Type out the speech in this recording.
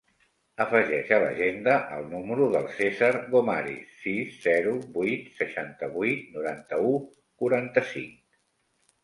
Afegeix a l'agenda el número del Cèsar Gomariz: sis, zero, vuit, seixanta-vuit, noranta-u, quaranta-cinc.